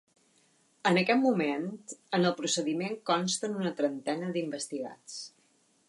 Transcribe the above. En aquest moment, en el procediment consten una trentena d’investigats.